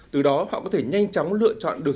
từ đó họ có thể nhanh chóng lựa chọn được